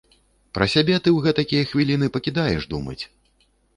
Пра сябе ты ў гэтакія хвіліны пакідаеш думаць!